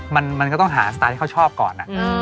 มันก็ต้องหาสไตล์ที่เขาชอบก่อน